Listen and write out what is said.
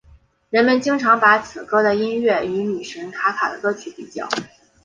人们经常把此歌的音乐与女神卡卡的歌曲比较。